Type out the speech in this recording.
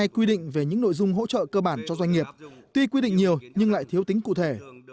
quy định về những nội dung hỗ trợ cơ bản cho doanh nghiệp tuy quy định nhiều nhưng lại thiếu tính cụ thể